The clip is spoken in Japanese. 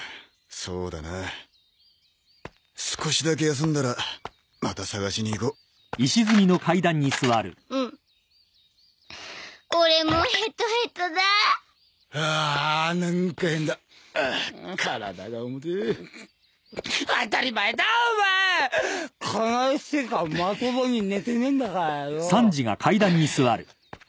そうだな少しだけ休んだらまた捜しに行こううん俺もヘトヘトだァアァなんかヘンだ体が重てえ当たり前だお前この一週間まともに寝てねえんだからよハアーアァッ！